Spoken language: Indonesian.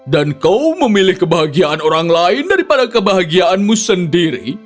dan kau memilih kebahagiaan orang lain daripada kebahagiaanmu sendiri